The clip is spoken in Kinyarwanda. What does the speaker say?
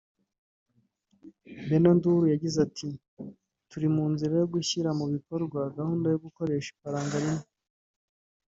Benno Ndulu yagize ati “Turi mu nzira yo gushyira mu bikorwa gahunda yo gukoresha ifaranga rimwe